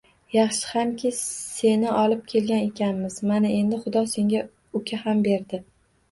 Yaxshi hamki, seni olib kelgan ekamiz, mana endi Xudo senga uka ham berdi